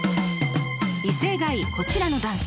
威勢がいいこちらの男性。